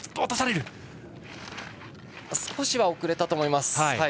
少し遅れたと思います。